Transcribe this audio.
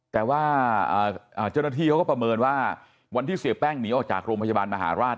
แต่ว่าเจ้าหน้าที่เขาก็ประเมินว่าวันที่เสียแป้งหนีออกจากโรงพยาบาลมหาราช